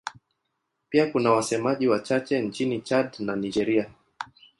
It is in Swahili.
Pia kuna wasemaji wachache nchini Chad na Nigeria.